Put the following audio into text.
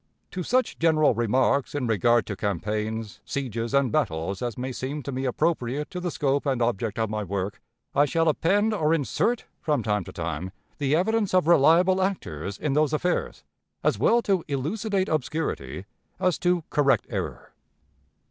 To such general remarks in regard to campaigns, sieges, and battles as may seem to me appropriate to the scope and object of my work, I shall append or insert, from time to time, the evidence of reliable actors in those affairs, as well to elucidate obscurity as to correct error.